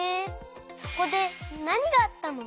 そこでなにがあったの？